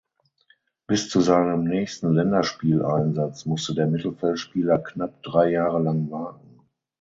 Bis zu seinem nächsten Länderspieleinsatz musste der Mittelfeldspieler knapp drei Jahre lang warten.